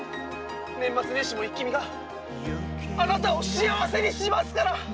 年末年始も「イッキ見！」があなたを幸せにしますから！